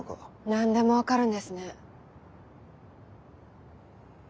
何でも分かるんですね。